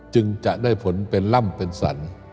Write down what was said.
จึงจะได้ผลเป็นล่ำเป็นสรร